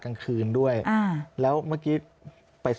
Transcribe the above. มันเป็นแบบที่สุดท้าย